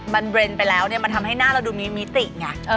มันเรนด์ไปแล้วเนี่ยมันทำให้หน้าเราดูมีมิติไง